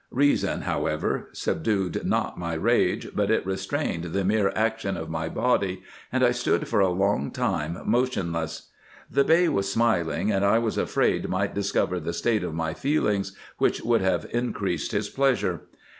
Reason, however, subdued not my rage, but it restrained the mere action of my body, and I stood for a long time motionless. The Bey was smiling, and I was afraid might discover the state of my feelings, which would have increased his pleasure.